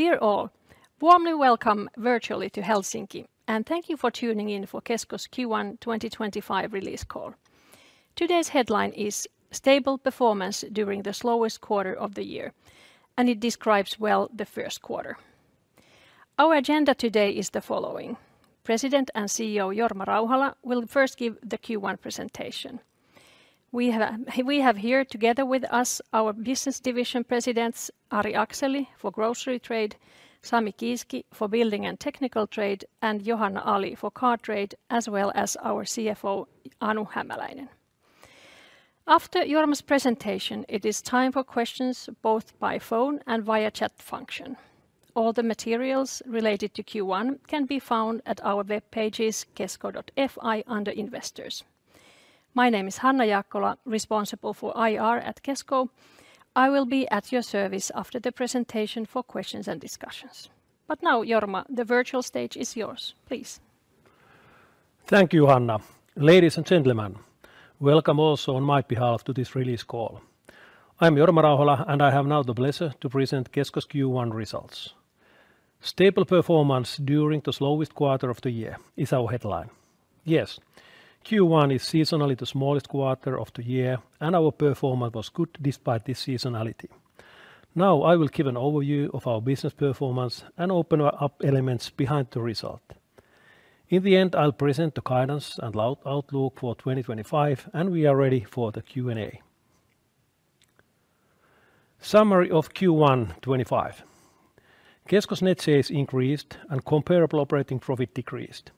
Dear all, warmly welcome virtually to Helsinki, and thank you for tuning in for Kesko Q1 2025 release call. Today's headline is "Stable Performance During the Slowest Quarter of the Year," and it describes well the first quarter. Our agenda today is the following: President and CEO Jorma Rauhala will first give the Q1 presentation. We have here together with us our business division presidents, Ari Akseli for grocery trade, Sami Kiiski for building and technical trade, and Johanna Ali for car trade, as well as our CFO, Anu Hämäläinen. After Jorma's presentation, it is time for questions both by phone and via chat function. All the materials related to Q1 can be found at our web pages, kesko.fi under Investors. My name is Hanna Jaakkola, responsible for IR at Kesko. I will be at your service after the presentation for questions and discussions. Now, Jorma, the virtual stage is yours. Please. Thank you, Hanna. Ladies and gentlemen, welcome also on my behalf to this release call. I am Jorma Rauhala, and I have now the pleasure to present Kesko Q1 results. "Stable performance during the slowest quarter of the year" is our headline. Yes, Q1 is seasonally the smallest quarter of the year, and our performance was good despite this seasonality. Now I will give an overview of our business performance and open up elements behind the result. In the end, I'll present the guidance and outlook for 2025, and we are ready for the Q&A. Summary of Q1 2025: Kesko net sales increased and comparable operating profit decreased.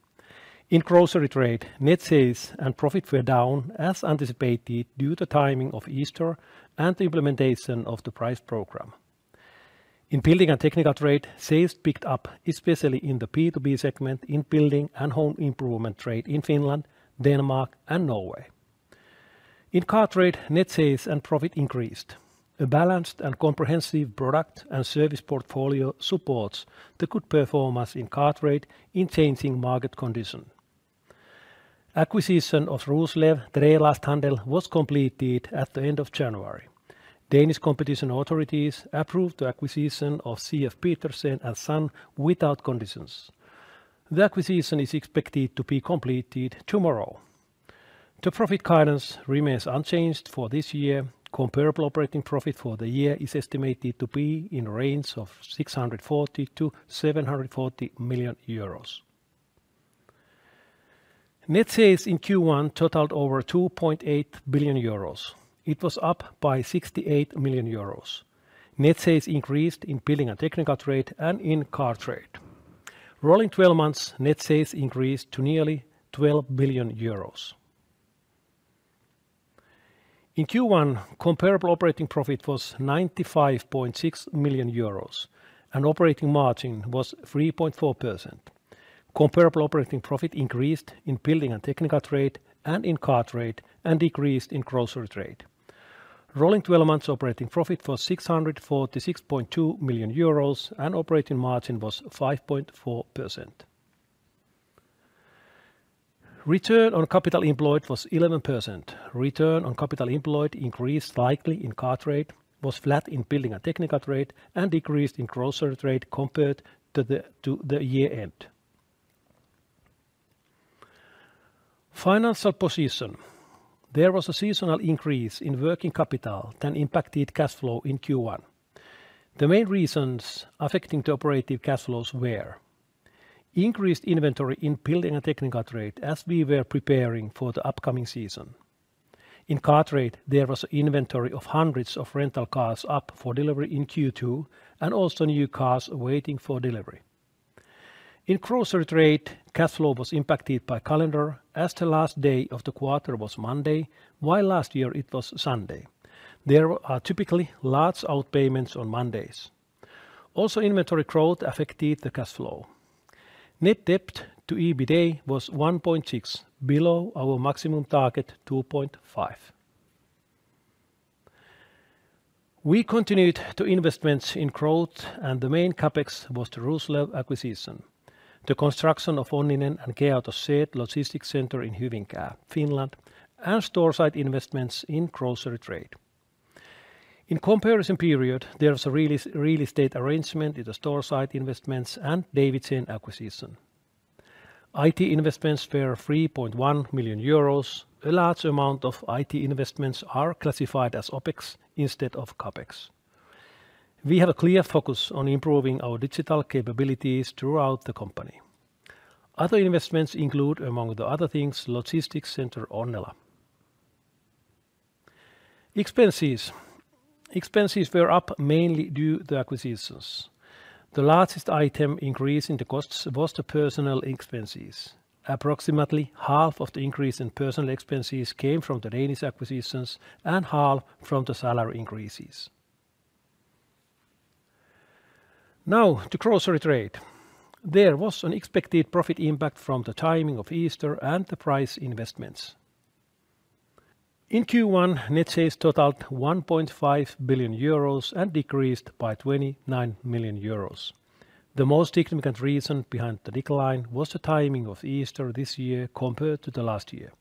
In grocery trade, net sales and profit were down as anticipated due to timing of Easter and the implementation of the price program. In building and technical trade, sales picked up, especially in the B2B segment in building and home improvement trade in Finland, Denmark, and Norway. In car trade, net sales and profit increased. A balanced and comprehensive product and service portfolio supports the good performance in car trade in changing market conditions. Acquisition of Roslev Trælasthandel was completed at the end of January. Danish competition authorities approved the acquisition of C.F. Petersen & Son without conditions. The acquisition is expected to be completed tomorrow. The profit guidance remains unchanged for this year. Comparable operating profit for the year is estimated to be in the range of 640 million-740 million euros. Net sales in Q1 totaled over 2.8 billion euros. It was up by 68 million euros. Net sales increased in building and technical trade and in car trade. Rolling 12 months, net sales increased to nearly 12 billion euros. In Q1, comparable operating profit was 95.6 million euros, and operating margin was 3.4%. Comparable operating profit increased in building and technical trade and in car trade, and decreased in grocery trade. Rolling 12 months operating profit was 646.2 million euros, and operating margin was 5.4%. Return on capital employed was 11%. Return on capital employed increased slightly in car trade, was flat in building and technical trade, and decreased in grocery trade compared to the year-end. Financial position: There was a seasonal increase in working capital that impacted cash flow in Q1. The main reasons affecting the operative cash flows were: increased inventory in building and technical trade as we were preparing for the upcoming season. In car trade, there was an inventory of hundreds of rental cars up for delivery in Q2, and also new cars waiting for delivery. In grocery trade, cash flow was impacted by calendar, as the last day of the quarter was Monday, while last year it was Sunday. There are typically large outpayments on Mondays. Also, inventory growth affected the cash flow. Net debt to EBITDA was 1.6, below our maximum target 2.5. We continued to invest in growth, and the main CapEx was the Roslev acquisition, the construction of Onninen and K-Auto's shared logistics center in Hyvinkää, Finland, and store site investments in grocery trade. In comparison period, there was a real estate arrangement in the store site investments and Davidsen acquisition. IT investments were 3.1 million euros. A large amount of IT investments are classified as OpEx instead of CapEx. We have a clear focus on improving our digital capabilities throughout the company. Other investments include, among the other things, logistics center Onnela. Expenses: Expenses were up mainly due to the acquisitions. The largest item increase in the costs was the personnel expenses. Approximately half of the increase in personnel expenses came from the Danish acquisitions and half from the salary increases. Now, the grocery trade. There was an expected profit impact from the timing of Easter and the price investments. In Q1, net sales totaled 1.5 billion euros and decreased by 29 million euros. The most significant reason behind the decline was the timing of Easter this year compared to last year.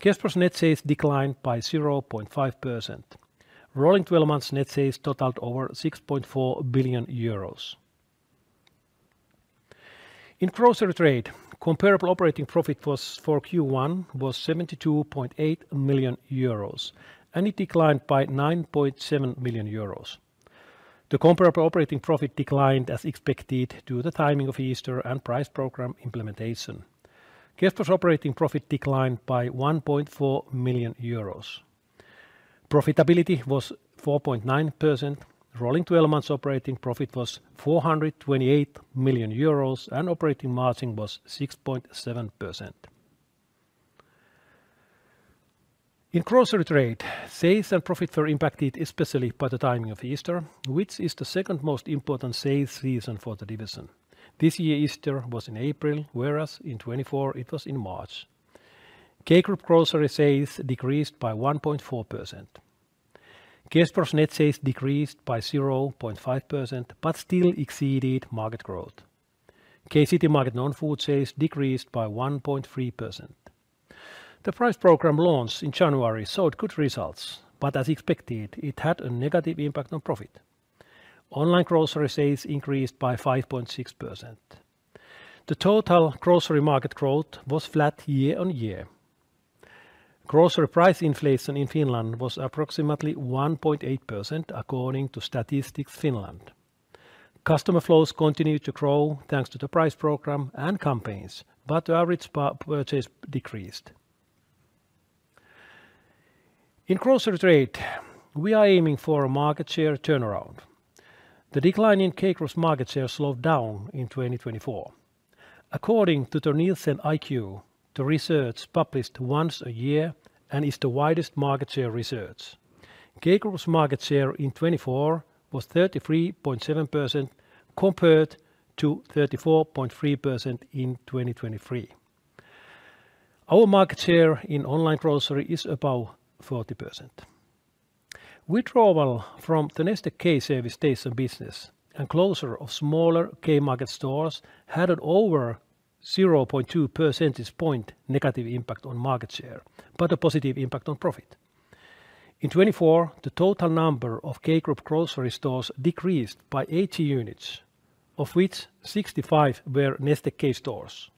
Kesko's net sales declined by 0.5%. Rolling 12 months net sales totaled over 6.4 billion euros. In grocery trade, comparable operating profit for Q1 was 72.8 million euros, and it declined by 9.7 million euros. The comparable operating profit declined as expected due to the timing of Easter and price program implementation. Kesko's operating profit declined by 1.4 million euros. Profitability was 4.9%. Rolling 12 months operating profit was 428 million euros, and operating margin was 6.7%. In grocery trade, sales and profit were impacted especially by the timing of Easter, which is the second most important sales season for the division. This year, Easter was in April, whereas in 2024 it was in March. K-Group grocery sales decreased by 1.4%. Kesko's net sales decreased by 0.5%, but still exceeded market growth. K-Citymarket Non-Food sales decreased by 1.3%. The price program launched in January showed good results, but as expected, it had a negative impact on profit. Online grocery sales increased by 5.6%. The total grocery market growth was flat year on year. Grocery price inflation in Finland was approximately 1.8% according to Statistics Finland. Customer flows continued to grow thanks to the price program and campaigns, but the average purchase decreased. In grocery trade, we are aiming for a market share turnaround. The decline in K-Group's market share slowed down in 2024. According to NielsenIQ, the research is published once a year and is the widest market share research. K-Group's market share in 2024 was 33.7% compared to 34.3% in 2023. Our market share in online grocery is about 40%. Withdrawal from the Neste K service station business and closure of smaller K-Market stores had an over 0.2 percentage point negative impact on market share, but a positive impact on profit. In 2024, the total number of K-Group grocery stores decreased by 80 units, of which 65 were Neste K stores.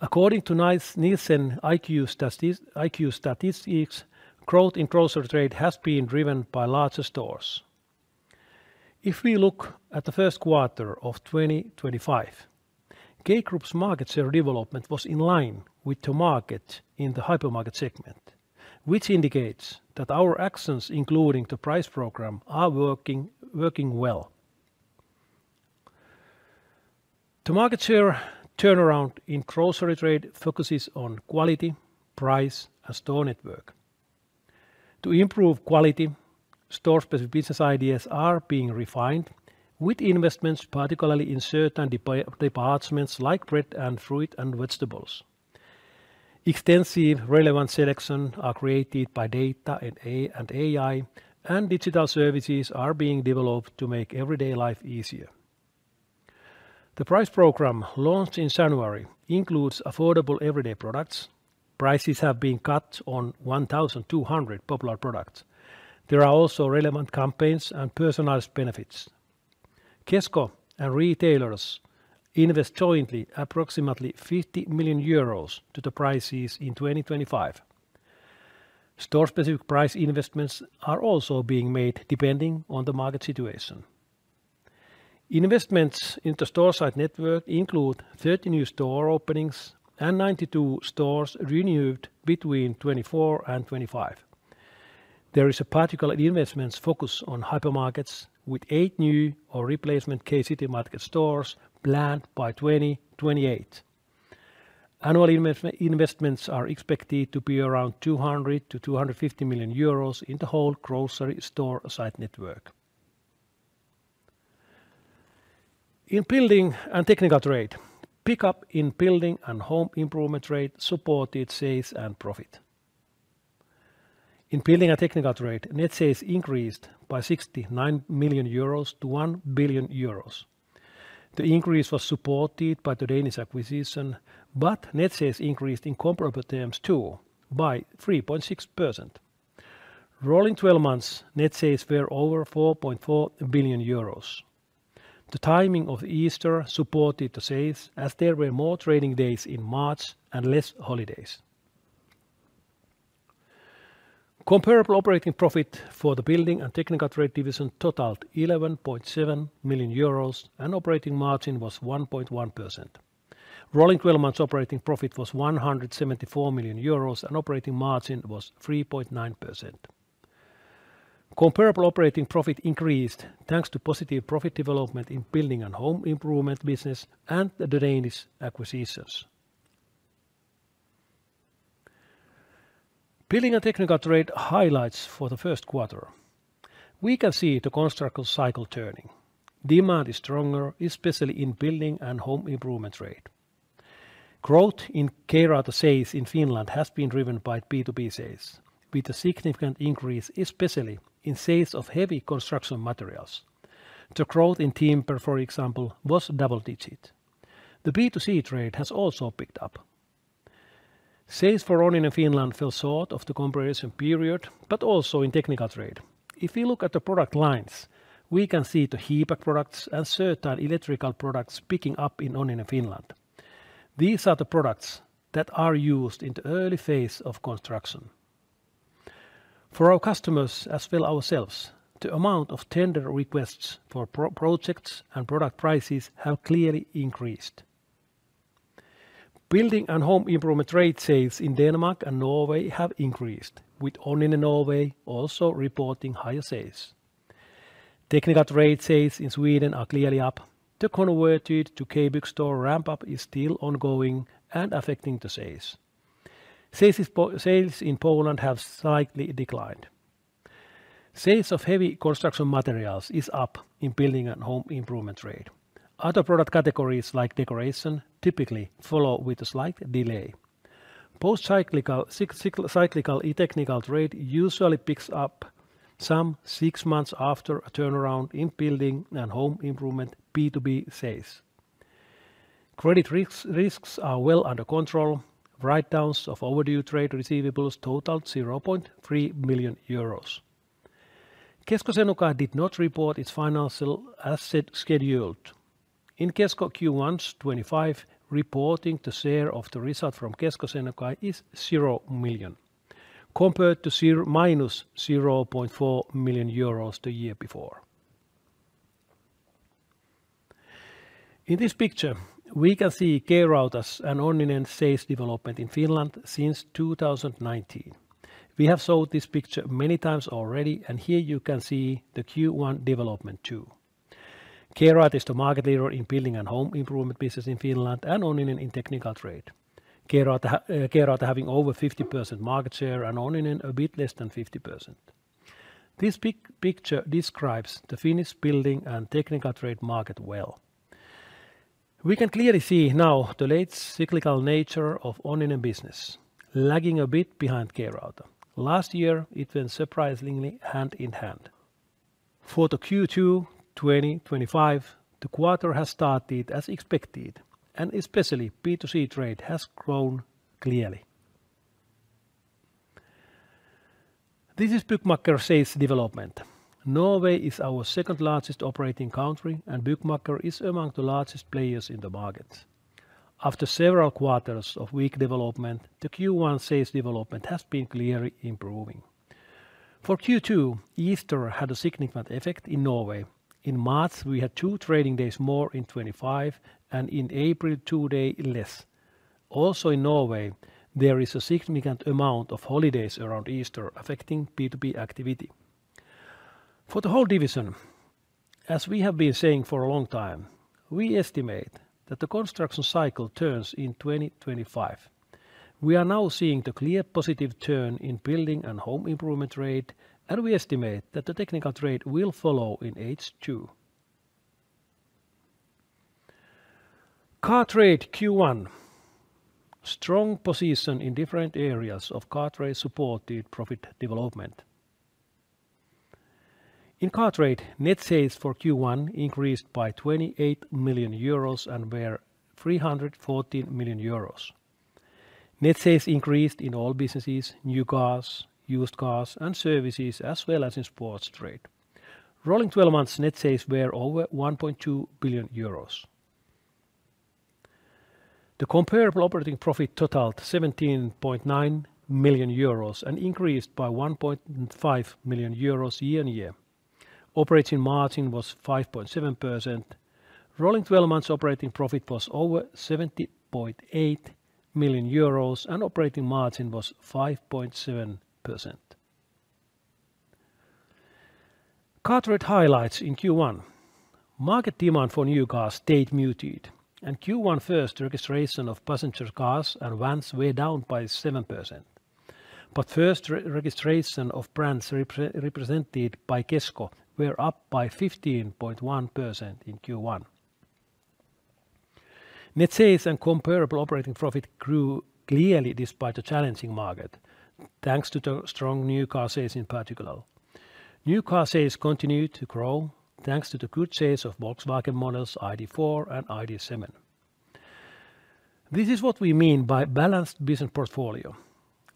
According to NielsenIQ statistics, growth in grocery trade has been driven by larger stores. If we look at the first quarter of 2025, K-Group's market share development was in line with the market in the hypermarket segment, which indicates that our actions, including the price program, are working well. The market share turnaround in grocery trade focuses on quality, price, and store network. To improve quality, store-specific business ideas are being refined with investments, particularly in certain departments like bread and fruit and vegetables. Extensive relevant selections are created by data and AI, and digital services are being developed to make everyday life easier. The price program launched in January includes affordable everyday products. Prices have been cut on 1,200 popular products. There are also relevant campaigns and personalized benefits. Kesko and retailers invest jointly approximately 50 million euros to the prices in 2025. Store-specific price investments are also being made depending on the market situation. Investments in the store site network include 30 new store openings and 92 stores renewed between 2024 and 2025. There is a particular investment focus on hypermarkets, with eight new or replacement K-Citymarket stores planned by 2028. Annual investments are expected to be around 200 million-250 million euros in the whole grocery store site network. In building and technical trade, pickup in building and home improvement trade supported sales and profit. In building and technical trade, net sales increased by 69 million euros to EUR 1 billion. The increase was supported by the Danish acquisition, but net sales increased in comparable terms too, by 3.6%. Rolling 12 months, net sales were over EUR 4.4 billion. The timing of Easter supported the sales, as there were more trading days in March and less holidays. Comparable operating profit for the building and technical trade division totaled EUR 11.7 million, and operating margin was 1.1%. Rolling 12 months operating profit was 174 million euros, and operating margin was 3.9%. Comparable operating profit increased thanks to positive profit development in building and home improvement business and the Danish acquisitions. Building and technical trade highlights for the first quarter. We can see the construction cycle turning. Demand is stronger, especially in building and home improvement trade. Growth in K-Rauta sales in Finland has been driven by B2B sales, with a significant increase, especially in sales of heavy construction materials. The growth in Timber, for example, was double-digit. The B2C trade has also picked up. Sales for Onninen Finland fell short of the comparison period, but also in technical trade. If we look at the product lines, we can see the HVAC products and certain electrical products picking up in Onninen Finland. These are the products that are used in the early phase of construction. For our customers as well as ourselves, the amount of tender requests for projects and product prices have clearly increased. Building and home improvement trade sales in Denmark and Norway have increased, with Onninen Norway also reporting higher sales. Technical trade sales in Sweden are clearly up. The converted-to-K-Rauta store ramp-up is still ongoing and affecting the sales. Sales in Poland have slightly declined. Sales of heavy construction materials are up in building and home improvement trade. Other product categories like decoration typically follow with a slight delay. Post-cyclical technical trade usually picks up some six months after a turnaround in building and home improvement B2B sales. Credit risks are well under control. Write-downs of overdue trade receivables totaled 0.3 million euros. Kesko Senukai did not report its final results schedule. In Kesko Q1 2025, reporting the share of the estimate that the construction cycle turns in 2025. We are now seeing the clear positive turn in building and home improvement trade, and we estimate that the technical trade will follow in H2. Car trade Q1: strong position in different areas of car trade supported profit development. In car trade, net sales for Q1 increased by 28 million euros and were 314 million euros. Net sales increased in all businesses: new cars, used cars, and services, as well as in sports trade. Rolling 12 months net sales were over 1.2 billion euros. The comparable operating profit totaled EUR 17.9 million and increased by EUR 1.5 million year on year. Operating margin was 5.7%. Rolling 12 months operating profit was over EUR 70.8 million, and operating margin was 5.7%. Car trade highlights in Q1: market demand for new cars stayed muted, and Q1 first registration of passenger cars and vans were down by 7%. First registration of brands represented by Kesko were up by 15.1% in Q1. Net sales and comparable operating profit grew clearly despite the challenging market, thanks to the strong new car sales in particular. New car sales continued to grow, thanks to the good sales of Volkswagen models ID.4 and ID.7. This is what we mean by balanced business portfolio.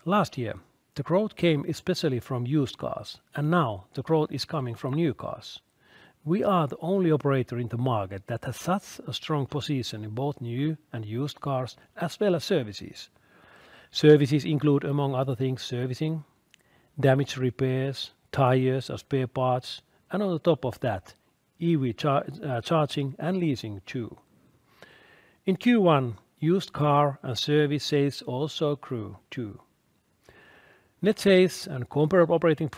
Last year, the growth came especially from used cars, and now the growth is coming from new cars. We are the only operator in the market that has such a strong position in both new and used cars, as well as services. Services include, among other things, servicing, damage repairs, tires as spare parts, and on top of that, EV charging and leasing too. In Q1, used car and service sales also grew too. Net sales and comparable operating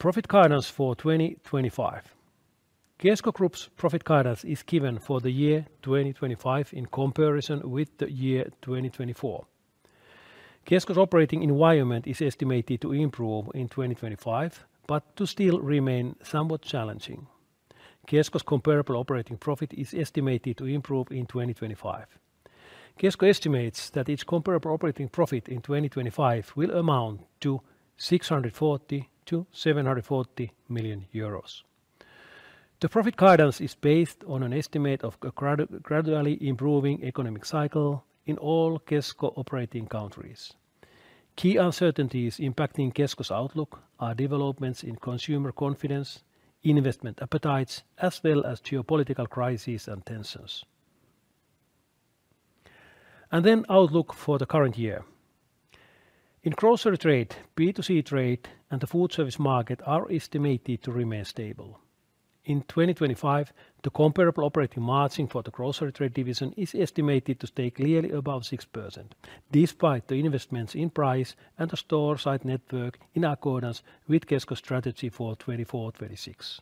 profit grew also in sports trade. Profit guidance and outlook for 2025 remains unchanged. Profit guidance for 2025: Kesko Group's profit guidance is given for the year 2025 in comparison with the year 2024. Kesko's operating environment is estimated to improve in 2025, but to still remain somewhat challenging. Kesko's comparable operating profit is estimated to improve in 2025. Kesko estimates that its comparable operating profit in 2025 will amount to 640 million-740 million euros. The profit guidance is based on an estimate of a gradually improving economic cycle in all Kesko operating countries. Key uncertainties impacting Kesko's outlook are developments in consumer confidence, investment appetites, as well as geopolitical crises and tensions. The outlook for the current year. In grocery trade, B2C trade, and the food service market are estimated to remain stable. In 2025, the comparable operating margin for the grocery trade division is estimated to stay clearly above 6%, despite the investments in price and the store site network in accordance with Kesko's strategy for 2024-2026.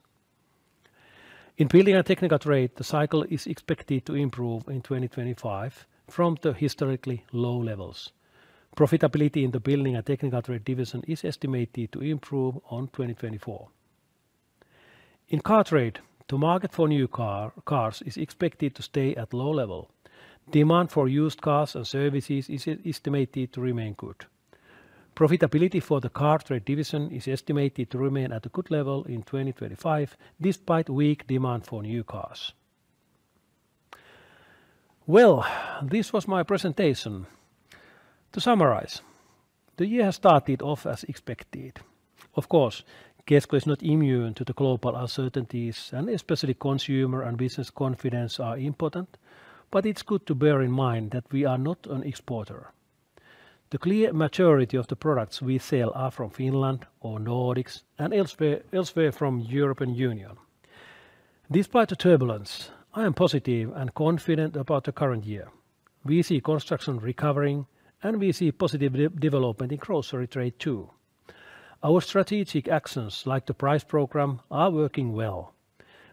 In building and technical trade, the cycle is expected to improve in 2025 from the historically low levels. Profitability in the building and technical trade division is estimated to improve in 2024. In car trade, the market for new cars is expected to stay at a low level. Demand for used cars and services is estimated to remain good. Profitability for the car trade division is estimated to remain at a good level in 2025, despite weak demand for new cars. This was my presentation. To summarize, the year has started off as expected. Of course, Kesko is not immune to the global uncertainties, and especially consumer and business confidence are important, but it's good to bear in mind that we are not an exporter. The clear majority of the products we sell are from Finland or Nordics and elsewhere from the European Union. Despite the turbulence, I am positive and confident about the current year. We see construction recovering, and we see positive development in grocery trade too. Our strategic actions, like the price program, are working well.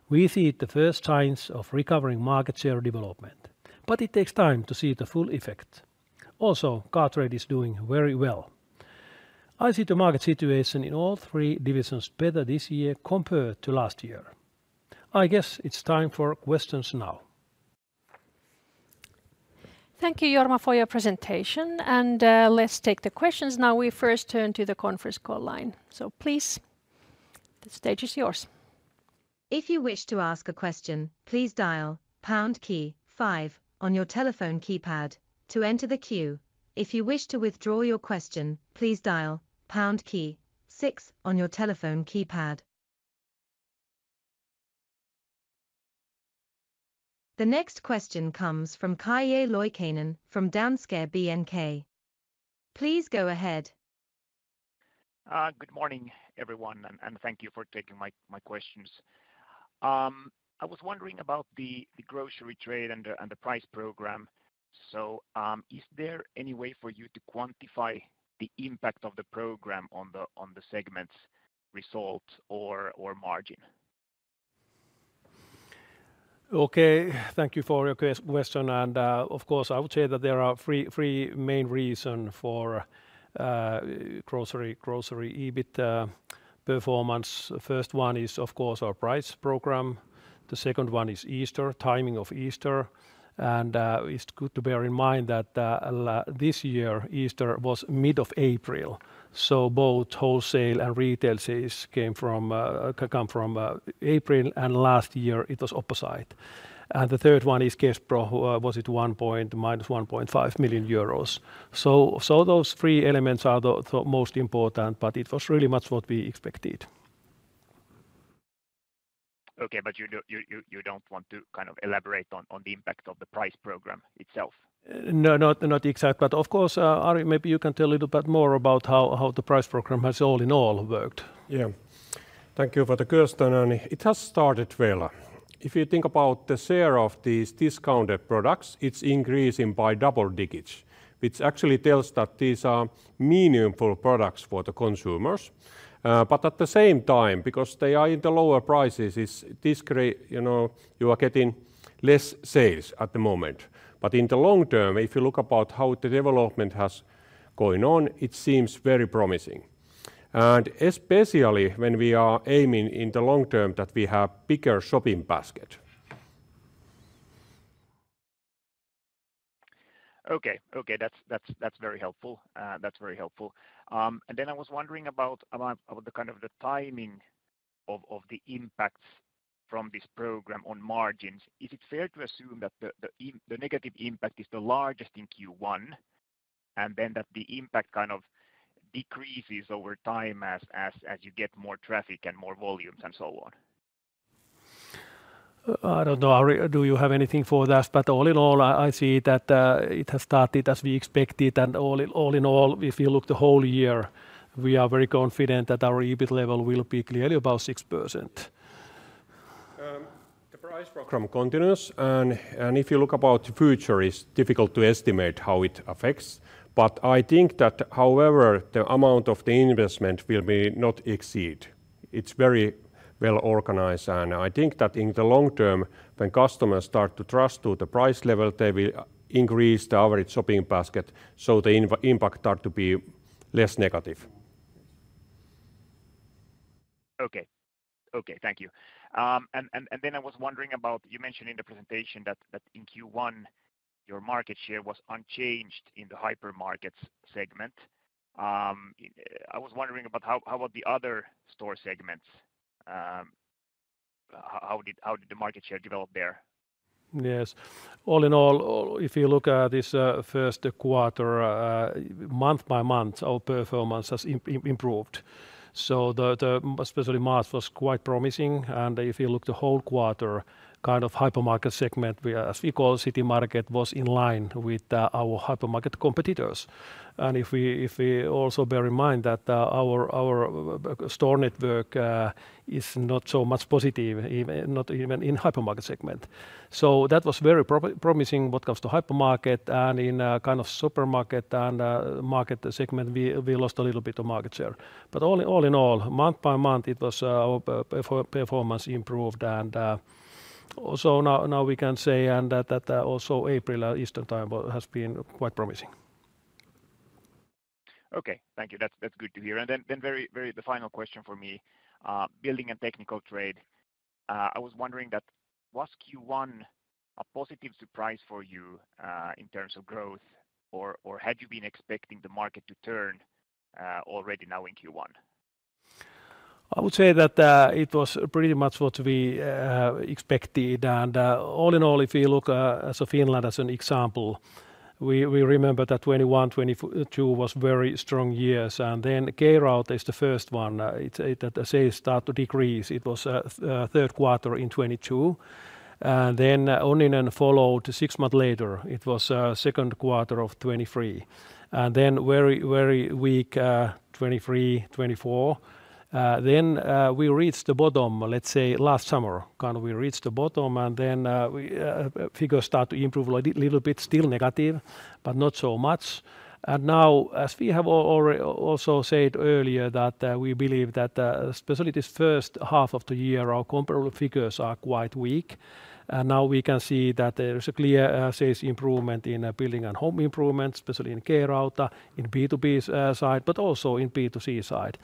We see the first signs of recovering market share development, but it takes time to see the full effect. Also, car trade is doing very well. I see the market situation in all three divisions better this year compared to last year. I guess it's time for questions now. Thank you, Jorma, for your presentation, and let's take the questions. Now we first turn to the conference call line. Please, the stage is yours. If you wish to ask a question, please dial #5 on your telephone keypad to enter the queue. If you wish to withdraw your question, please dial #6 on your telephone keypad. The next question comes from Calle Loikkanen from Danske Bank. Please go ahead. Good morning, everyone, and thank you for taking my questions. I was wondering about the grocery trade and the price program. Is there any way for you to quantify the impact of the program on the segment's result or margin? Thank you for your question. Of course, I would say that there are three main reasons for grocery EBIT performance. The first one is, of course, our price program. The second one is Easter, timing of Easter. It is good to bear in mind that this year Easter was mid-April. Both wholesale and retail sales came from April, and last year it was opposite. The third one is Kespro, who was at 1.5 million euros negative. Those three elements are the most important, but it was really much what we expected. Okay, but you do not want to kind of elaborate on the impact of the price program itself? No, not exactly. Of course, Ari, maybe you can tell a little bit more about how the price program has all in all worked. Yeah, thank you for the question. It has started well. If you think about the share of these discounted products, it is increasing by double digits, which actually tells that these are meaningful products for the consumers. At the same time, because they are in the lower prices, you are getting less sales at the moment. In the long term, if you look at how the development has gone on, it seems very promising. Especially when we are aiming in the long term that we have a bigger shopping basket. Okay, okay, that's very helpful. That's very helpful. I was wondering about the kind of the timing of the impacts from this program on margins. Is it fair to assume that the negative impact is the largest in Q1, and that the impact kind of decreases over time as you get more traffic and more volumes and so on? I don't know, Ari, do you have anything for that? All in all, I see that it has started as we expected, and all in all, if you look at the whole year, we are very confident that our EBIT level will be clearly above 6%. The price program continues, and if you look at the future, it's difficult to estimate how it affects. I think that, however, the amount of the investment will not exceed. It's very well organized, and I think that in the long term, when customers start to trust the price level, they will increase the average shopping basket, so the impact starts to be less negative. Okay, thank you. I was wondering about, you mentioned in the presentation that in Q1, your market share was unchanged in the hypermarkets segment. I was wondering about how about the other store segments? How did the market share develop there? Yes, all in all, if you look at this first quarter, month by month, our performance has improved. Especially March was quite promising, and if you look at the whole quarter, kind of hypermarket segment, as we call Citymarket, was in line with our hypermarket competitors. If we also bear in mind that our store network is not so much positive, not even in the hypermarket segment. That was very promising when it comes to hypermarket, and in kind of supermarket and market segment, we lost a little bit of market share. All in all, month by month, our performance improved, and now we can say that also April, Easter time, has been quite promising. Okay, thank you. That's good to hear. The final question for me, building and technical trade, I was wondering, was Q1 a positive surprise for you in terms of growth, or had you been expecting the market to turn already now in Q1? I would say that it was pretty much what we expected. All in all, if you look at Finland as an example, we remember that 2021-2022 were very strong years. K-Rauta, as the first one, the sales started to decrease. It was the third quarter in 2022. Onninen followed six months later. It was the second quarter of 2023. Very, very weak 2023-2024. We reached the bottom, let's say, last summer. Kind of we reached the bottom, and then figures started to improve a little bit, still negative, but not so much. As we have also said earlier, we believe that especially this first half of the year, our comparable figures are quite weak. Now we can see that there is a clear sales improvement in building and home improvements, especially in K-Rauta, in B2B side, but also in B2C side.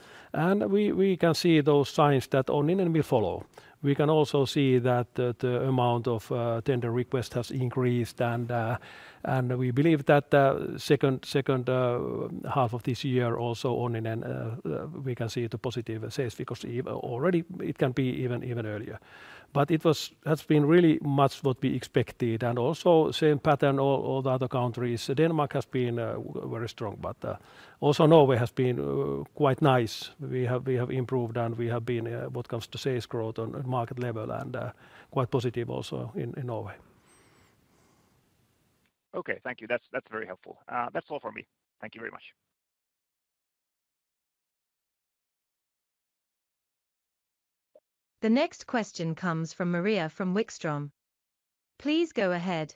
We can see those signs that Onninen will follow. We can also see that the amount of tender requests has increased, and we believe that the second half of this year, also Onninen, we can see the positive sales figures already. It can be even earlier. It has been really much what we expected, and also same pattern in all the other countries. Denmark has been very strong, but also Norway has been quite nice. We have improved, and we have been, when it comes to sales growth on the market level, and quite positive also in Norway. Okay, thank you. That's very helpful. That's all for me. Thank you very much. The next question comes from Maria Wikström. Please go ahead.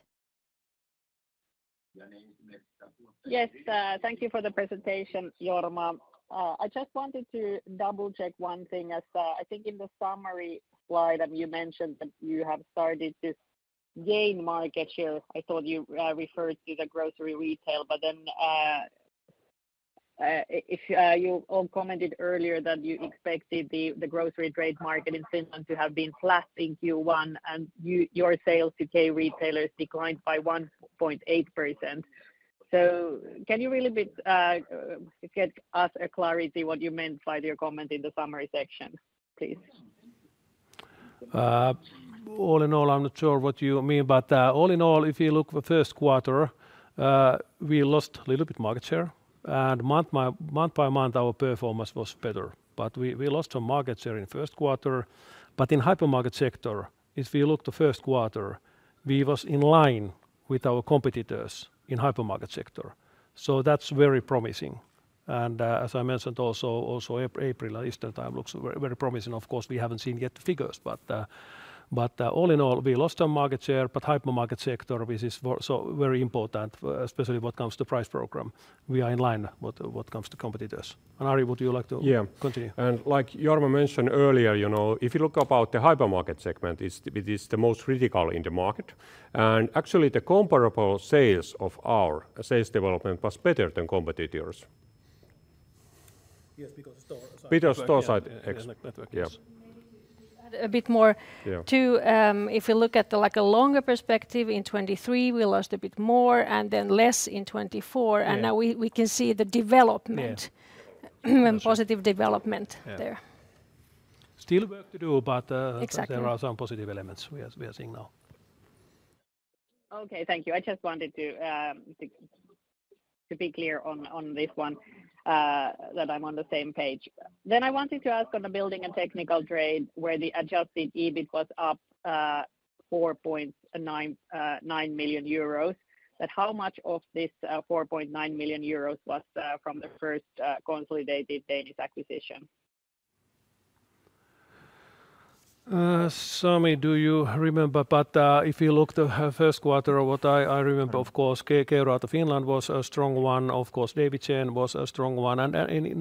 Yes, thank you for the presentation, Jorma. I just wanted to double-check one thing, as I think in the summary slide, you mentioned that you have started this gain market share. I thought you referred to the grocery retail, but then you all commented earlier that you expected the grocery trade market in Finland to have been flat in Q1, and your sales to K-retailers declined by 1.8%. Can you really get us clarity on what you meant by your comment in the summary section, please? All in all, I'm not sure what you mean, but if you look at the first quarter, we lost a little bit of market share, and month by month, our performance was better. We lost some market share in the first quarter. In the hypermarket sector, if you look at the first quarter, we were in line with our competitors in the hypermarket sector. That is very promising. As I mentioned, also April Easter time looks very promising. Of course, we haven't seen yet the figures, but all in all, we lost some market share, but the hypermarket sector, which is very important, especially when it comes to the price program, we are in line when it comes to competitors. Ari, would you like to continue? Yeah, and like Jorma mentioned earlier, if you look at the hypermarket segment, it is the most critical in the market. Actually, the comparable sales of our sales development was better than competitors. Yes, because of store. Because of store side. A bit more. If you look at a longer perspective, in 2023, we lost a bit more, and then less in 2024, and now we can see the development, positive development there. Still work to do, but there are some positive elements we are seeing now. Okay, thank you. I just wanted to be clear on this one, that I'm on the same page. I wanted to ask on the building and technical trade, where the adjusted EBIT was up 4.9 million euros, that how much of this 4.9 million euros was from the first consolidated Danish acquisition? Sami, do you remember? If you look at the first quarter, what I remember, of course, K-Rauta Finland was a strong one. Of course, Davidsen was a strong one. In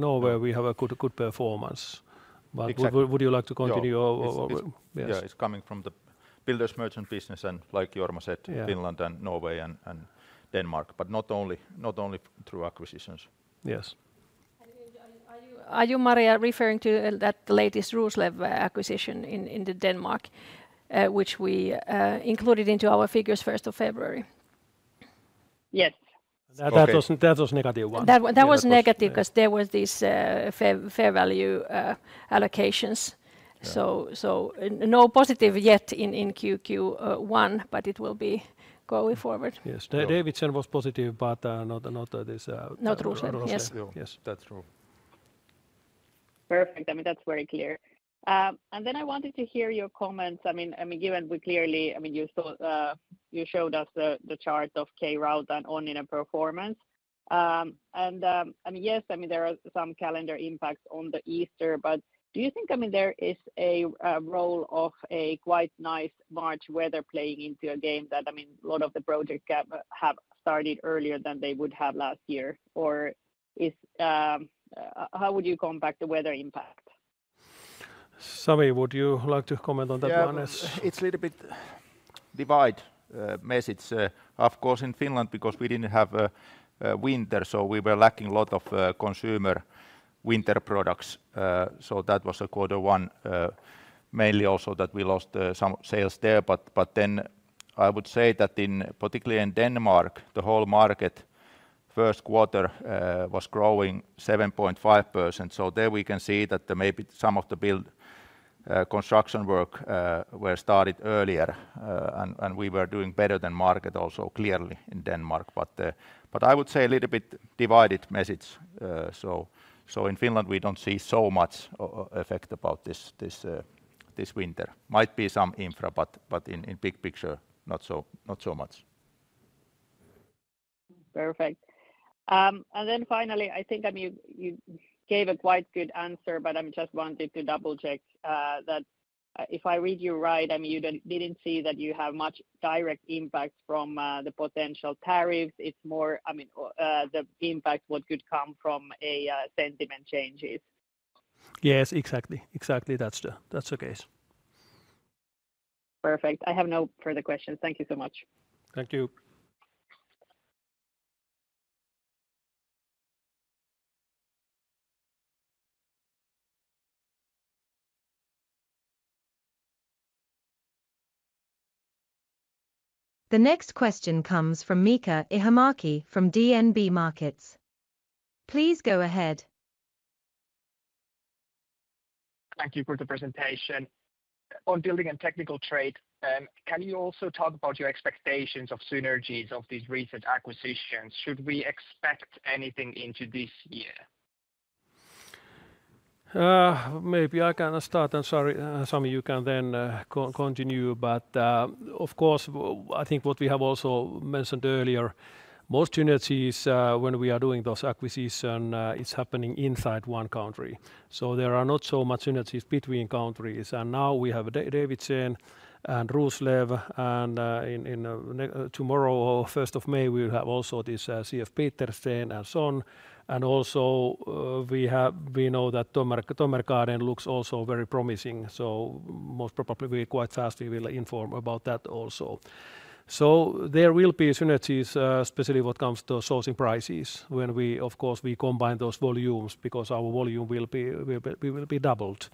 Norway, we have a good performance. Would you like to continue? Yes, it is coming from the builders' merchant business, and like Jorma said, Finland and Norway and Denmark, but not only through acquisitions. Yes. Are you, Maria, referring to that latest Roslev acquisition in Denmark, which we included into our figures first of February? Yes. That was a negative one. That was negative because there were these fair value allocations. No positive yet in Q1, but it will be going forward. Yes, Davidsen was positive, but not this. Not Roslev. Yes, that is true. Perfect. I mean, that is very clear. I wanted to hear your comments. I mean, given we clearly, I mean, you showed us the chart of K-Rauta, then Onninen performance. I mean, yes, I mean, there are some calendar impacts on the Easter, but do you think, I mean, there is a role of a quite nice March weather playing into a game that, I mean, a lot of the projects have started earlier than they would have last year? How would you compact the weather impact? Sami, would you like to comment on that one? Yes, it's a little bit divided message. Of course, in Finland, because we didn't have winter, we were lacking a lot of consumer winter products. That was a quarter one, mainly also that we lost some sales there. I would say that particularly in Denmark, the whole market first quarter was growing 7.5%. There we can see that maybe some of the construction work was started earlier, and we were doing better than market also clearly in Denmark. I would say a little bit divided message. In Finland, we do not see so much effect about this winter. Might be some infra, but in big picture, not so much. Perfect. Finally, I think you gave a quite good answer, but I just wanted to double-check that if I read you right, I mean, you did not see that you have much direct impact from the potential tariffs. It is more, I mean, the impact what could come from sentiment changes. Yes, exactly. Exactly, that is the case. Perfect. I have no further questions. Thank you so much. Thank you. The next question comes from Miika Ihamäki from DNB Markets. Please go ahead. Thank you for the presentation. On building and technical trade, can you also talk about your expectations of synergies of these recent acquisitions? Should we expect anything into this year? Maybe I can start, and sorry, Sami, you can then continue. Of course, I think what we have also mentioned earlier, most synergies, when we are doing those acquisitions, are happening inside one country. There are not so much synergies between countries. Now we have Davidsen and Roslev. Tomorrow, 1st of May, we will have also this C.F. Petersen & Son. We know that Tømmergaarden looks also very promising. Most probably we quite fast will inform about that also. There will be synergies, especially when it comes to sourcing prices, when we, of course, combine those volumes because our volume will be doubled.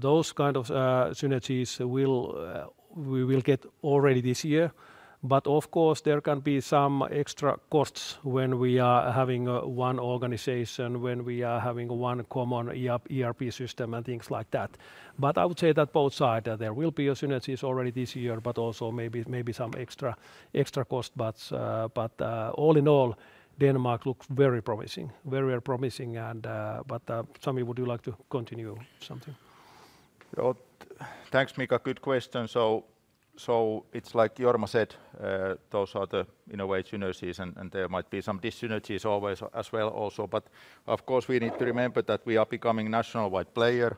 Those kind of synergies we will get already this year. Of course, there can be some extra costs when we are having one organization, when we are having one common ERP system and things like that. I would say that both sides, there will be synergies already this year, but also maybe some extra costs. All in all, Denmark looks very promising. Very promising. Sammy, would you like to continue something? Thanks, Mika. Good question. It's like Jorma said, those are the innovation synergies, and there might be some dissynergies always as well also. Of course, we need to remember that we are becoming a national-wide player.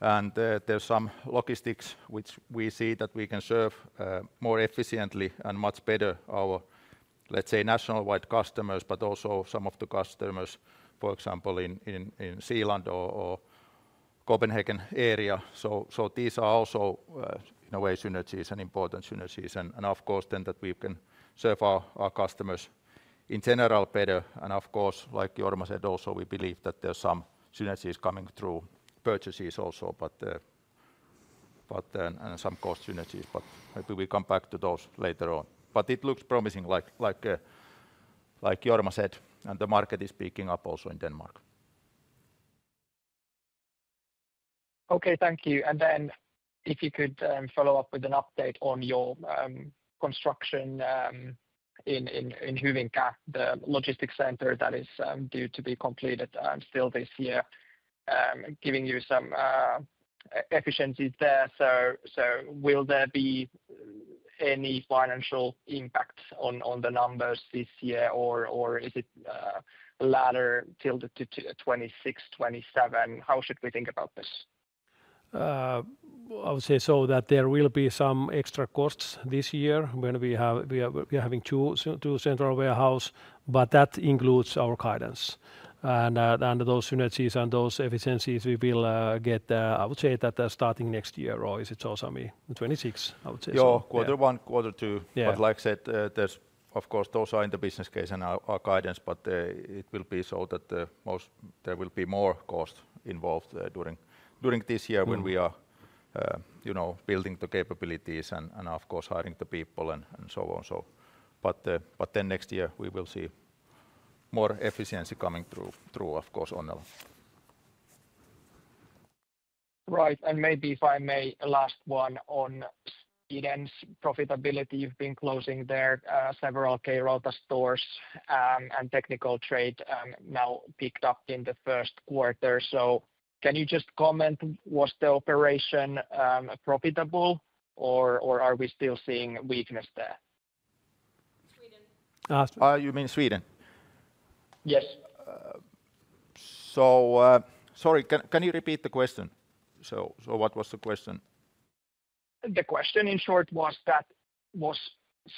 There's some logistics which we see that we can serve more efficiently and much better our, let's say, national-wide customers, but also some of the customers, for example, in Zealand or Copenhagen area. These are also innovation synergies and important synergies. Of course, then that we can serve our customers in general better. Of course, like Jorma said also, we believe that there are some synergies coming through purchases also, but some cost synergies. Maybe we come back to those later on. It looks promising, like Jorma said, and the market is picking up also in Denmark. Okay, thank you. If you could follow up with an update on your construction in Hyvinkää, the logistics center that is due to be completed still this year, giving you some efficiencies there. Will there be any financial impact on the numbers this year, or is it a ladder tilted to 2026-2027? How should we think about this? I would say so that there will be some extra costs this year when we are having two central warehouses, but that includes our guidance. Those synergies and those efficiencies, we will get, I would say that starting next year, or is it so, Sami? 2026, I would say. Yeah, quarter one, quarter two. Like I said, those are in the business case and our guidance, but it will be so that there will be more costs involved during this year when we are building the capabilities and hiring the people and so on. Next year, we will see more efficiency coming through, of course. Right. Maybe if I may, last one on Sweden's profitability. You've been closing there several K-Rauta stores and technical trade now picked up in the first quarter. Can you just comment, was the operation profitable, or are we still seeing weakness there? Sweden. You mean Sweden? Yes. Sorry, can you repeat the question? What was the question? The question in short was that was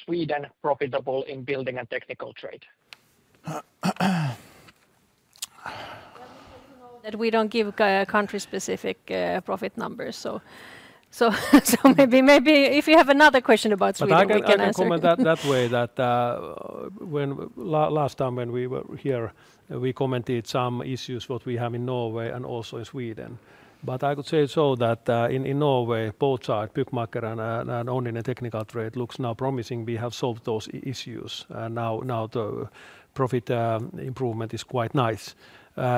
Sweden profitable in building and technical trade? We do not give country-specific profit numbers. Maybe if you have another question about Sweden, we can answer. I can comment that last time when we were here, we commented on some issues we have in Norway and also in Sweden. I could say that in Norway, both sides, Byggmakker and Onninen technical trade, look now promising. We have solved those issues. Now the profit improvement is quite nice.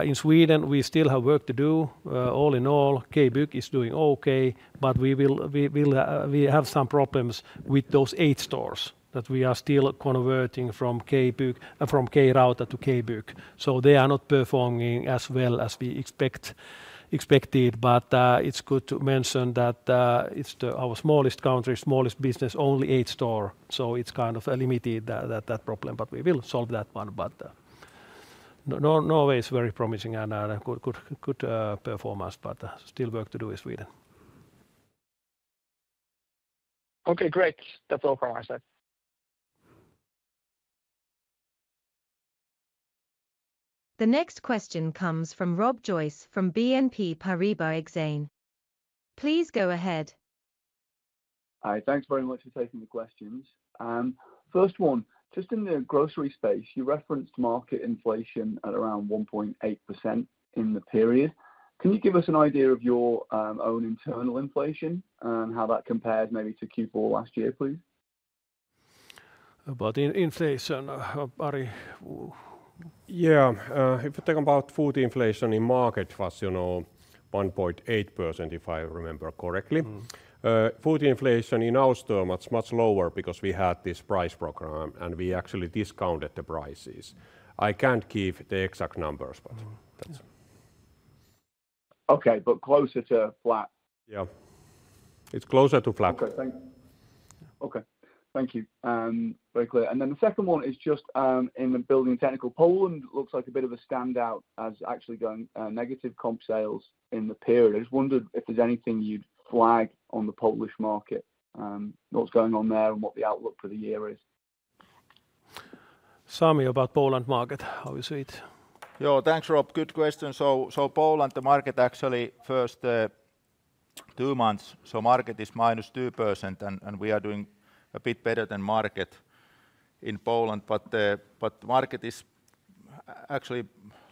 In Sweden, we still have work to do. All in all, K-Bygg is doing okay, but we have some problems with those eight stores that we are still converting from K-Rauta to K-Bygg. They are not performing as well as we expected. It is good to mention that it is our smallest country, smallest business, only eight stores. It is kind of a limited problem, but we will solve that one. Norway is very promising and a good performance, but still work to do in Sweden. Okay, great. That is all from my side. The next question comes from Rob Joyce from BNP Paribas Exane. Please go ahead. Hi, thanks very much for taking the questions. First one, just in the grocery space, you referenced market inflation at around 1.8% in the period. Can you give us an idea of your own internal inflation and how that compares maybe to Q4 last year, please? About inflation, Ari? Yeah, if we talk about food inflation in market, it was 1.8%, if I remember correctly. Food inflation in ours is much lower because we had this price program and we actually discounted the prices. I can't give the exact numbers, but that's okay, but closer to flat. Yeah, it's closer to flat. Okay, thank you. Okay, thank you. Very clear. The second one is just in the building and technical, Poland looks like a bit of a standout as actually going negative comp sales in the period. I just wondered if there's anything you'd flag on the Polish market, what's going on there and what the outlook for the year is. Sami, about Poland market, how you see it? Yeah, thanks, Rob. Good question. Poland, the market actually first two months, so market is minus 2% and we are doing a bit better than market in Poland. The market is actually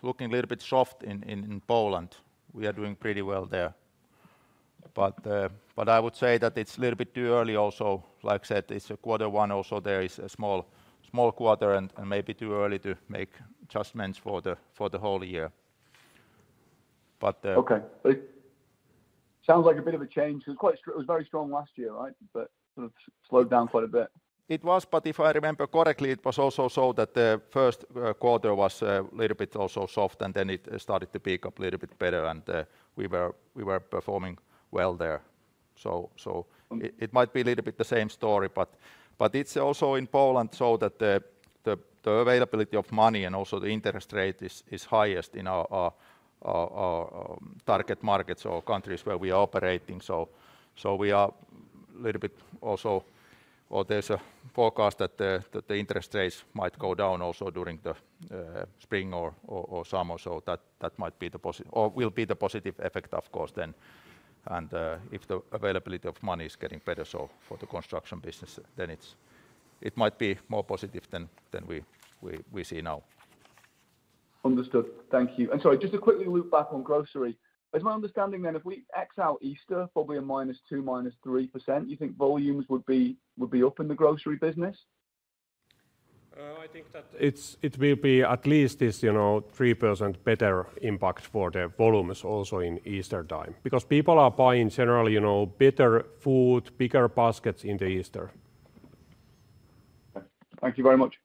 looking a little bit soft in Poland. We are doing pretty well there. I would say that it's a little bit too early also. Like I said, it's a quarter one also. There is a small quarter and maybe too early to make adjustments for the whole year. Okay. Sounds like a bit of a change. It was very strong last year, right? Sort of slowed down quite a bit. It was, but if I remember correctly, it was also so that the first quarter was a little bit also soft and then it started to pick up a little bit better and we were performing well there. It might be a little bit the same story, but it's also in Poland so that the availability of money and also the interest rate is highest in our target markets or countries where we are operating. We are a little bit also, or there's a forecast that the interest rates might go down also during the spring or summer. That might be the positive or will be the positive effect, of course, then. If the availability of money is getting better for the construction business, then it might be more positive than we see now. Understood. Thank you. Sorry, just a quick loop back on grocery. Is my understanding then if we X out Easter, probably a -2%, -3%, you think volumes would be up in the grocery business? I think that it will be at least 3% better impact for the volumes also in Easter time because people are buying generally better food, bigger baskets in the Easter. Thank you very much.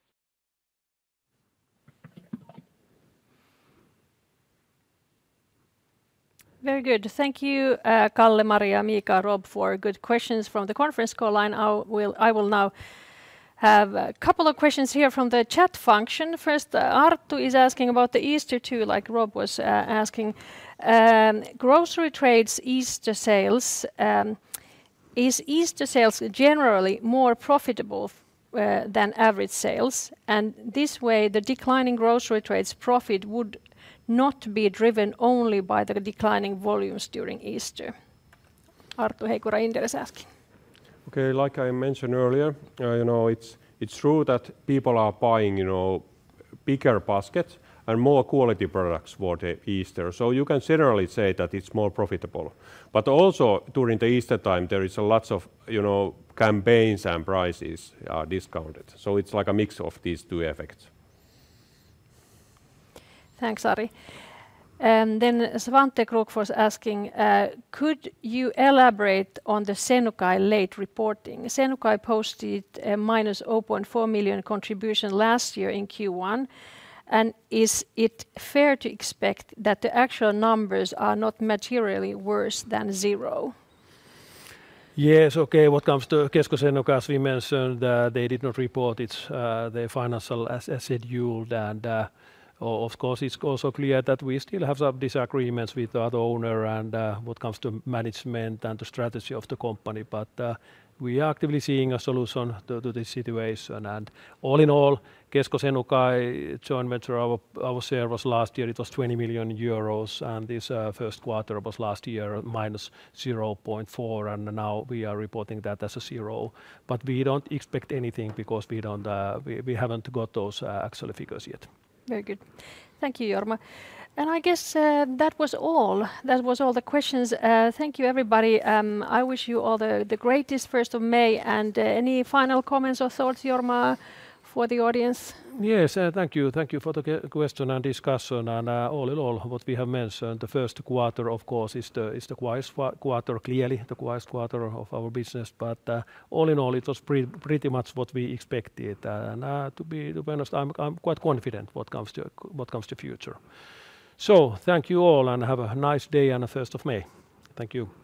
Very good. Thank you, Kalle, Maria, Mika, Rob for good questions from the conference call. I will now have a couple of questions here from the chat function. First, Arttu is asking about the Easter too, like Rob was asking. Grocery trade's Easter sales, is Easter sales generally more profitable than average sales? This way, the declining grocery trade's profit would not be driven only by the declining volumes during Easter. Arttu Heikura Inderes asking. Okay, like I mentioned earlier, it's true that people are buying bigger baskets and more quality products for the Easter. You can generally say that it's more profitable. Also, during the Easter time, there are lots of campaigns and prices discounted. It's like a mix of these two effects. Thanks, Ari. Svante Krokfors asking, could you elaborate on the Senukai late reporting? Senukai posted a minus 0.4 million contribution last year in Q1. Is it fair to expect that the actual numbers are not materially worse than zero? Yes, okay. What comes to Kesko Senukai, as we mentioned, they did not report their financials as scheduled. Of course, it's also clear that we still have some disagreements with the other owner and what comes to management and the strategy of the company. We are actively seeing a solution to this situation. All in all, Kesko Senukai joint venture I was shared was last year. It was 20 million euros. This first quarter was last year minus 0.4. Now we are reporting that as a zero. We do not expect anything because we have not got those actual figures yet. Very good. Thank you, Jorma. I guess that was all. That was all the questions. Thank you, everybody. I wish you all the greatest 1st of May. Any final comments or thoughts, Jorma, for the audience? Yes, thank you. Thank you for the question and discussion. All in all, what we have mentioned, the first quarter, of course, is the quiet quarter, clearly the quiet quarter of our business. All in all, it was pretty much what we expected. To be honest, I'm quite confident what comes to the future. Thank you all and have a nice day and a 1st of May. Thank you.